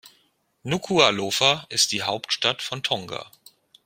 Nukuʻalofa ist die Hauptstadt von Tonga.